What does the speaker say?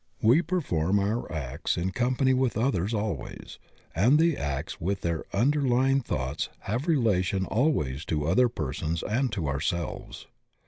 We perform our acts in company with others always, and the acts with their underl5dng thoughts have relation always to other persons and to ourselves.